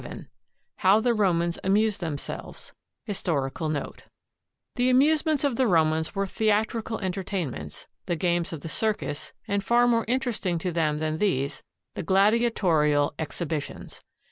VII HOW THE ROMANS AMUSED THEMSELVES HISTORICAL NOTE The amusements of the Romans were theatrical entertain ments, the games of the circus, and, far more interesting to them than these, the gladiatorial exhibitions.